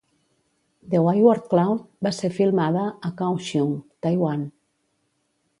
"The Wayward Cloud" va ser filmada a Kaohsiung, Taiwan.